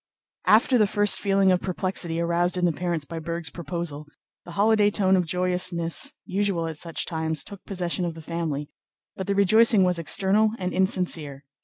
After the first feeling of perplexity aroused in the parents by Berg's proposal, the holiday tone of joyousness usual at such times took possession of the family, but the rejoicing was external and insincere.